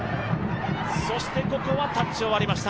そして、ここはタッチを割りました。